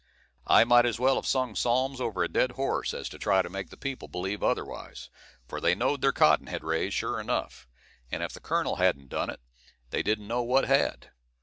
I might as well have sung salms over a dead horse, as to try to make the people believe otherwise; for they knowed their cotton had raised, sure enough, and if the colonel hadn't done it, they didn't know what had.